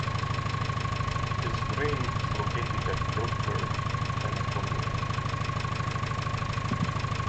His grave is located at Guildford Crematorium.